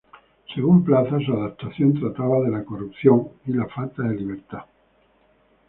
Según Plaza, su adaptación trataba de la corrupción y la falta de libertad.